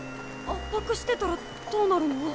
圧迫してたらどうなるの？